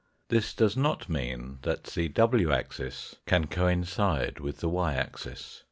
This does not mean that the w axis can coincide with the y axis.